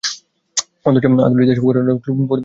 অথচ আলোচিত এসব ঘটনার এখন পর্যন্ত ক্লু বের করতে পারেনি সরকার।